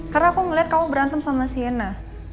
karena aku ngeliat kamu berantem sama sienna